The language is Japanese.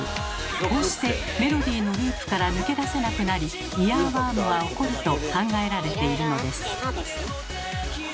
こうしてメロディーのループから抜け出せなくなりイヤーワームは起こると考えられているのです。